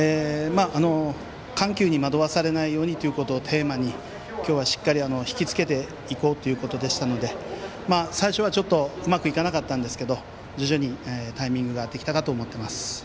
緩急に惑わされないようにということをテーマに今日は引き付けていこうということでしたので最初はちょっとうまくいかなかったんですけど徐々にタイミングができたかと思っています。